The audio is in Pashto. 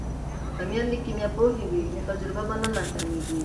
که میندې کیمیا پوهې وي نو تجربې به نه ناکامیږي.